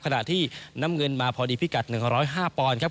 ขณะที่น้ำเงินมาพอดีพิกัด๑๐๕ปอนด์ครับ